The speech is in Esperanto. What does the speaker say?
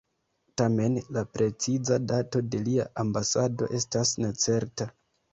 Tamen la preciza dato de lia ambasado estas necerta.